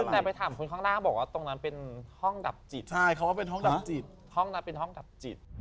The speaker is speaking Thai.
แต่ไปถามคุณข้างหน้าตรงนั้นเป็นห้องดับจิต